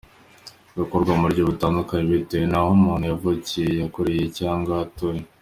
Bikorwa mu buryo butandukanye bitewe n’aho umuntu yavukiye, yakuriye cyangwa aho atuye.